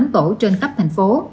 tám mươi tám tổ trên khắp thành phố